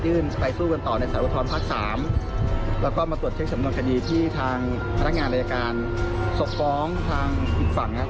ไปสู้กันต่อในสารอุทธรภาคสามแล้วก็มาตรวจเช็คสำนวนคดีที่ทางพนักงานอายการส่งฟ้องทางอีกฝั่งนะครับ